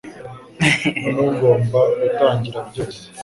Noneho ngomba gutangira byose.